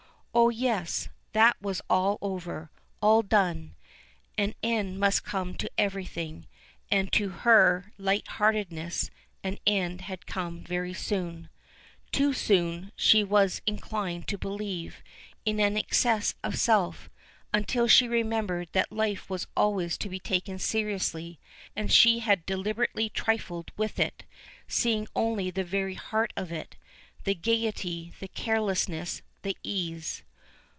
Oh, yes, that was all over. All done! An end must come to everything, and to her light heartedness an end had come very soon. Too soon, she was inclined to believe, in an excess of self, until she remembered that life was always to be taken seriously, and that she had deliberately trifled with it, seeking only the very heart of it the gaiety, the carelessness, the ease.